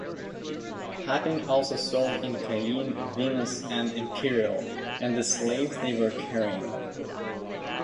Papin also sold in Cayenne "Venus" and "Imperial" and the slaves they were carrying.